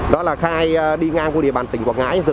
đó là khai đi ngang qua địa bàn tỉnh quảng ngãi